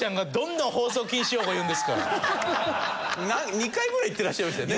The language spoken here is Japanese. ２回ぐらい言ってらっしゃいましたよね。